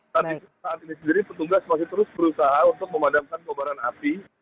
tapi saat ini sendiri petugas masih terus berusaha untuk memadamkan kobaran api